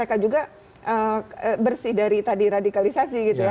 mereka juga bersih dari tadi radikalisasi gitu ya